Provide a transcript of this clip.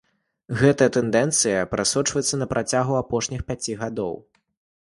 Гэтая тэндэнцыя прасочваецца на працягу апошніх пяці гадоў.